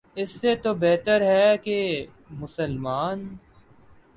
اس سے تو بہتر ہے کہ مسلمان